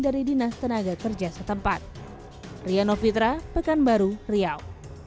dari dinas tenaga kerja setempat riano fitra pekanbaru riau